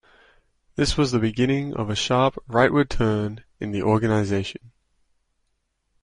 This was the beginning of a sharp rightward turn in the organization.